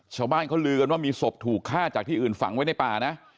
ชาวบ้านเขาลือกันว่ามีศพถูกฆ่าจากที่อื่นฝังไว้ในป่านะ